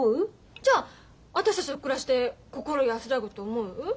じゃあ私たちと暮らして心安らぐと思う？